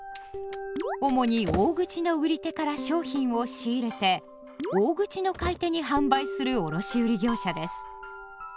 主に大口の売り手から商品を仕入れて大口の買い手に販売する卸売業者です。